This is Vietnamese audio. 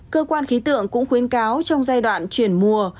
cơ quan khí tượng cũng khuyến cáo trong giai đoạn chuyển mùa